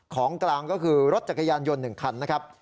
ของกลางก็คือรถจักรยานยนต์๑คันนะครับ